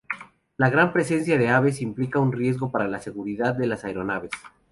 La gran presencia de aves, implica un riego para la seguridad de las aeronaves.